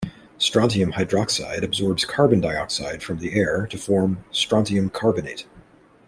Strontium hydroxide absorbs carbon dioxide from the air to form strontium carbonate.